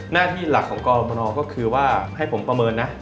หน้าที่หลักของกรมนก็คือว่าให้ผมประเมินนะ